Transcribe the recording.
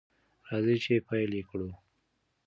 راځئ چې پیل یې کړو.